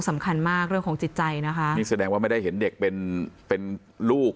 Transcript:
สำคัญมากเรื่องของจิตใจนะคะนี่แสดงว่าไม่ได้เห็นเด็กเป็นเป็นลูก